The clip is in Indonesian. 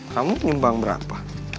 kamu nyumbang berapa